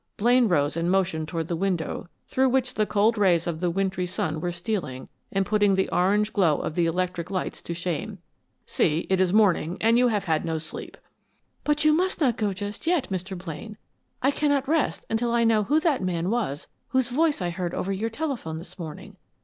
Blaine rose and motioned toward the window through which the cold rays of the wintry sun were stealing and putting the orange glow of the electric lights to shame. "See. It is morning and you have had no sleep." "But you must not go just yet, Mr. Blaine! I cannot rest until I know who that man was whose voice I heard over your telephone this morning.